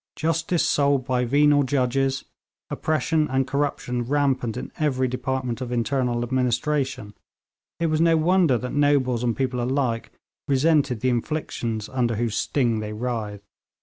Justice sold by venal judges, oppression and corruption rampant in every department of internal administration, it was no wonder that nobles and people alike resented the inflictions under whose sting they writhed.